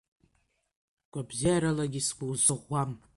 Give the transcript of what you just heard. Гәабзиаралагьы сыӷәӷәам.